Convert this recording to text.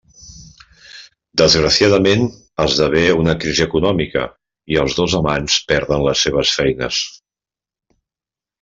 Desgraciadament, esdevé una crisi econòmica i els dos amants perden les seves feines.